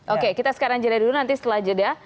oke kita sekarang jeda dulu nanti setelah jeda